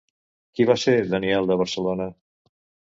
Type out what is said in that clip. Qui va ser Daniel de Barcelona?